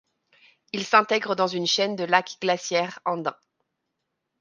Il s'intègre dans une chaîne de lacs glaciaires andins.